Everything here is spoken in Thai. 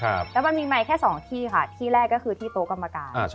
แล้วมันมีไมค์แค่สองที่ค่ะที่แรกก็คือที่โต๊ะกรรมการ